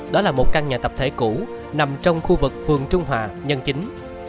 đó là một căn nhà tập thể cũ nằm trong khu vực phường trung hòa nhân chính